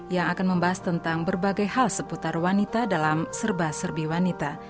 yang akan membahas tentang berbagai hal seputar wanita dalam serba serbi wanita